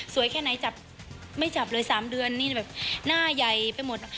แค่ไหนจับไม่จับเลย๓เดือนนี่แบบหน้าใหญ่ไปหมด